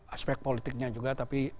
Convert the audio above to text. aspek politiknya juga tapi